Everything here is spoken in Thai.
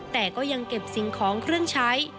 แต่ก็ยังเก็บสิ่งของเครื่องใช้